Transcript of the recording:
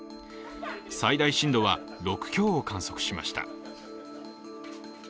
最大震度は６強を観測しました。